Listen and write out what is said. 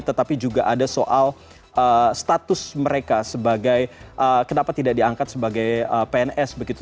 tetapi juga ada soal status mereka sebagai kenapa tidak diangkat sebagai pns begitu